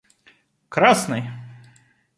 красный